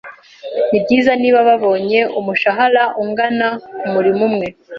Nibyiza niba babonye umushahara ungana kumurimo umwe.